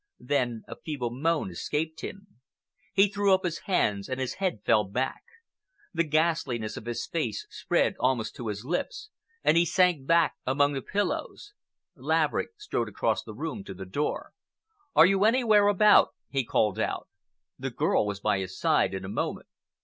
Then a feeble moan escaped him. He threw up his hands and his head fell back. The ghastliness of his face spread almost to his lips, and he sank back among the pillows. Laverick strode across the room to the door. "Are you anywhere about?" he called out. The girl was by his side in a moment.